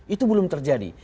itu belum terjadi